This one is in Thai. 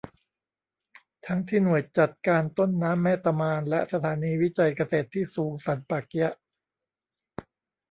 ทั้งที่หน่วยจัดการต้นน้ำแม่ตะมาน และสถานีวิจัยเกษตรที่สูงสันป่าเกี๊ยะ